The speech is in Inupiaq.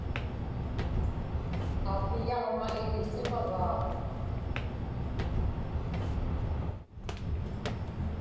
Aapiyaġma iḷisimagaa.